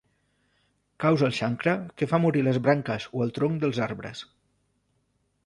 Causa el xancre que fa morir les branques o el tronc dels arbres.